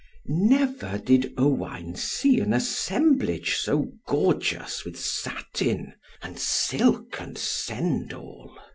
Never did Owain see an assemblage so gorgeous with satin, and silk, and sendall.